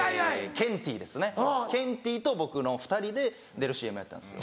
ケンティーですねケンティーと僕の２人で出るＣＭやったんですよ。